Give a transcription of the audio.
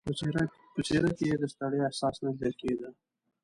په څېره کې یې د ستړیا احساس نه لیدل کېده.